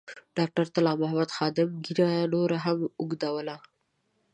ډاکټر طلا محمد خادم ږیره نوره هم اوږدوله.